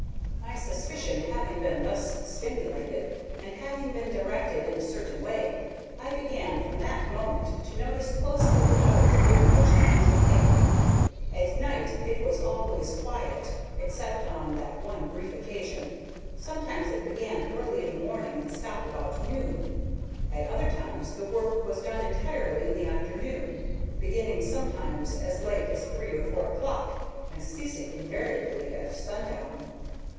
"My suspicion having been thus stimulated, and having been directed in a certain way, I began, from that moment to notice closely the hours during which the engine labored. At night it was always quiet, except on that one brief occasion. Sometimes it began early in the morning and stopped about noon. At other times the work was done entirely in the afternoon, beginning sometimes as late as three or four o'clock, and ceasing invariably at sundown.